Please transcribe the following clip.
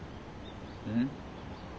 うん？